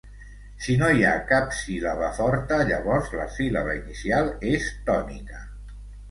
Si no hi ha cap síl·laba forta, llavors la síl·laba inicial és tònica.